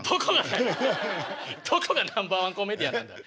どこがナンバーワンコメディアンなんだよ。